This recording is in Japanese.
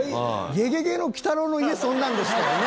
ゲゲゲの鬼太郎の家そんなんでしたよね。